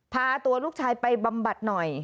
พาตัวลูกชายไปบำบัดหน่อย